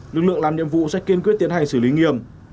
lực lượng làm nhiệm vụ sẽ kiên quyết tiến hành xử lý nghiêm